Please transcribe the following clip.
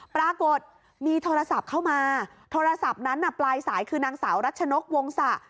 ปรากฏมีโทรศัพท์เข้ามาโทรศัพท์นั้นน่ะปลายสายคือนางสาวรัชนกวงศะ